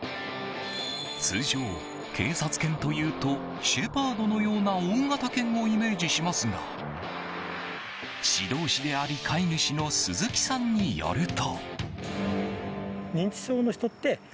通常、警察犬というとシェパードのような大型犬をイメージしますが指導士であり飼い主の鈴木さんによると。